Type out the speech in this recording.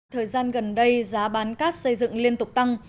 thời gian gần đây giá bán cát xây dựng liên tục tăng